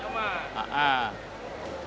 cuman pembeli yang tak ada yang nyaman